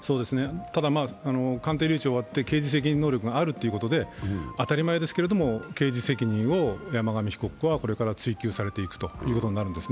鑑定留置が終わって刑事責任能力があるということで当たり前ですけれども、刑事責任を山上被告はこれから追及されていくことになるんですね。